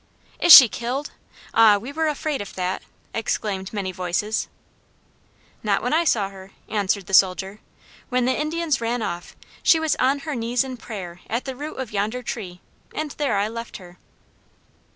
"Is she killed? Ah, we were afraid of that!" exclaimed many voices. "Not when I saw her," answered the soldier. "When the Indians ran off; she was on her knees in prayer at the root of yonder tree, and there I left her."